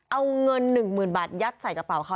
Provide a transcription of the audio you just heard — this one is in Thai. เอาเงินหนึ่งหมื่นบาทยัดใส่กระเป๋าเขา